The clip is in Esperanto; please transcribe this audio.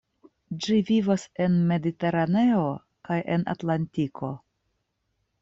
Ĝi vivas en Mediteraneo kaj en Atlantiko.